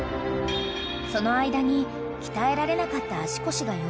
［その間に鍛えられなかった足腰が弱り